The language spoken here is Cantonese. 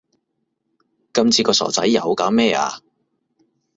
今次個傻仔又搞咩呀